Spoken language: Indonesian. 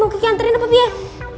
mau kiki antarin apa biar